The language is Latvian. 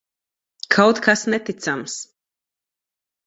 Kaut kas neticams!